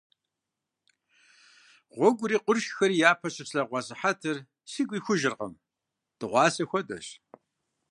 Гъуэгури къуршхэри япэ щыслъэгъуа сыхьэтыр сигу ихужыркъым – дыгъуасэ хуэдэщ.